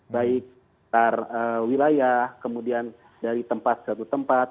baik sekitar wilayah kemudian dari tempat ke satu tempat